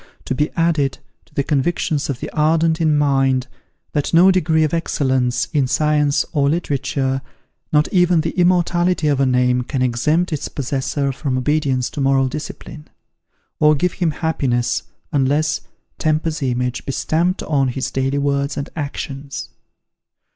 to be added to the convictions of the ardent in mind, that no degree of excellence in science or literature, not even the immortality of a name can exempt its possessor from obedience to moral discipline; or give him happiness, unless "temper's image" be stamped on his daily words and actions.